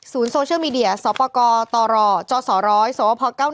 สูญโซเชียลมีเดียสวพกตรจสรสวพ๙๑